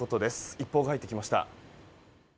一報が入ってきました。